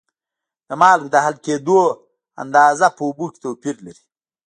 د مالګو د حل کیدلو اندازه په اوبو کې توپیر لري.